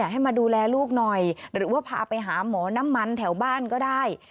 ให้มาดูแลลูกหน่อยหรือว่าพาไปหาหมอน้ำมันแถวบ้านก็ได้